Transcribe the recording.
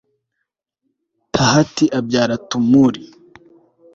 tahati abyara tumuri